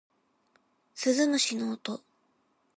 鈴虫の音